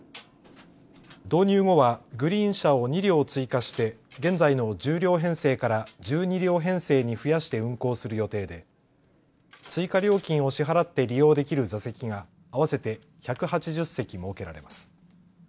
導入後はグリーン車を２両追加して現在の１０両編成から１２両編成に増やして運行する予定で追加料金を支払って利用できる座席が合わせて１８０席設けられます。